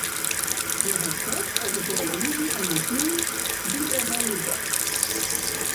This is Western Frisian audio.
Hja hat krekt op 'e telefyzje immen sjoen dy't op har like.